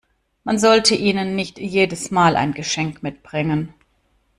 Man sollte ihnen nicht jedes Mal ein Geschenk mitbringen.